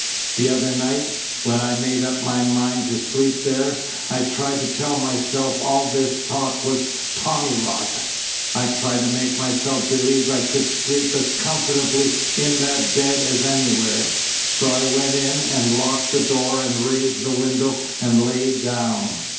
The other night, when I made up my mind to sleep there, I tried to tell myself all this talk was tommyrot. I tried to make myself believe I could sleep as comfortably in that bed as anywhere. So I went in and locked the door and raised the window and lay down."